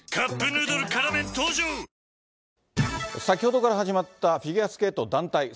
先ほどから始まったフィギュアスケート団体。